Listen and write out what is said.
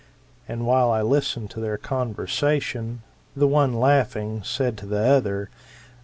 And while I listened to their conversation, the one, laughing, said to the other.